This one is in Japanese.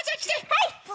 はい！